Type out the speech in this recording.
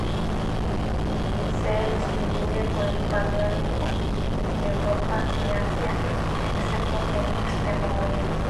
Se distribuye por el paleártico: Europa y Asia excepto el Extremo Oriente.